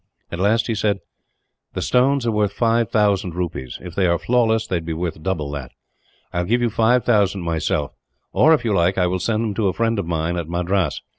At last, he said: "The stones are worth five thousand rupees. If they are flawless, they would be worth double that. I will give you five thousand myself or, if you like, I will send them to a friend of mine, at Madras.